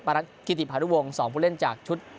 รัฐธิติพานุวงศ์๒ผู้เล่นจากชุด